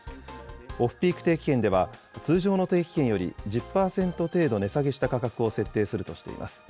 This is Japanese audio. オフピーク定期券では、通常の定期券より１０％程度値下げした価格を設定するとしています。